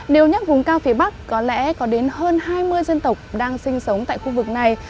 nếu nhắc vùng cao phía bắc có lẽ có đến hơn hai mươi dân tộc đang sinh sống tại khu vực này